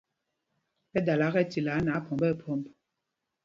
Ɓɛ dala kɛ tilaa nɛ aphɔmb nɛ phɔmb.